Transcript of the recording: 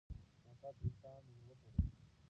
نفرت د انسان زړه توروي.